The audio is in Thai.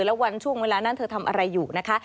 แล้ววันช่วงเวลานั้นเธอทำอะไรอยู่นะคะ